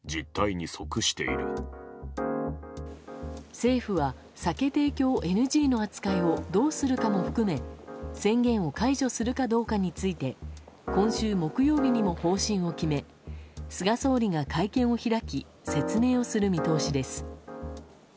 政府は酒提供ＮＧの扱いをどうするかも含め宣言を解除するかどうかについて今週木曜日にも方針を決め菅総理が会見を開き説明をする見通しです。